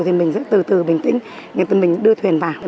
thì mình sẽ từ từ bình tĩnh mình đưa thuyền vào